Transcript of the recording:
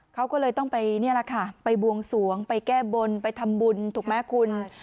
เขาก็เลยต้องไปนี่แหละค่ะไปบวงสวงไปแก้บนไปทำบุญถูกไหมคุณ